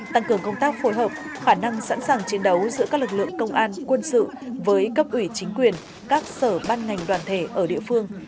tăng cường công tác phối hợp khả năng sẵn sàng chiến đấu giữa các lực lượng công an quân sự với cấp ủy chính quyền các sở ban ngành đoàn thể ở địa phương